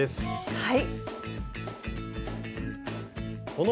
はい。